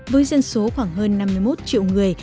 với dân số khoảng hơn năm mươi một triệu người